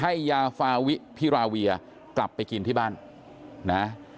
ให้ยาฟาวิพิราเวียกลับไปกินที่บ้านนะ